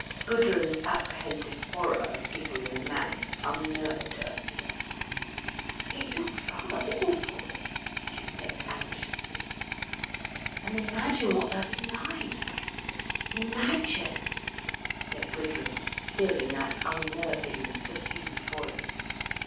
Gudrun's apprehensive horror of people in the mass unnerved Ursula. "It looks rather awful," she said anxiously. "And imagine what they'll be like—imagine!" said Gudrun, still in that unnerving, subdued voice.